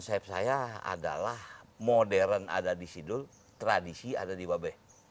konsep saya adalah modern ada di sidul tradisi ada di babeh